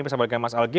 bersama dengan mas algi